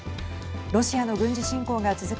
ロシアの軍事侵攻が続く